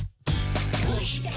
「どうして？